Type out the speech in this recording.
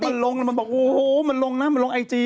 มันลงแล้วมันบอกโอ้โหมันลงนะมันลงไอจี